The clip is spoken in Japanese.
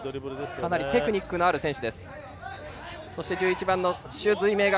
かなりテクニックのある選手。